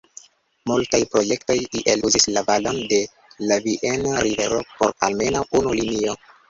Multaj projektoj iel uzis la valon de la Vieno-rivero por almenaŭ unu linio.